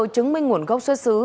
chứng minh nguồn gốc xuất xứ